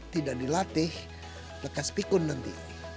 tidak dilatih lekas pikun nanti